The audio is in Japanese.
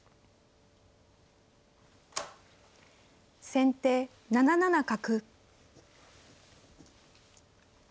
先手７七角。